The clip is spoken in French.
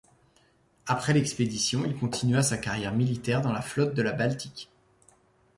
Après l'expédition, il continua sa carrière militaire dans la Flotte de la Baltique.